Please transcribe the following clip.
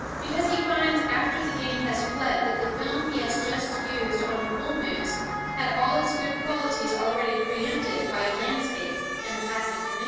because he finds after the game has fled that the film he has just used on a bull moose had all its good qualities already preëmpted by a landscape and a passing canoe.